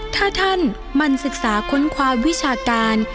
ถ้าท่านมันศึกษาค้นความวิชาการ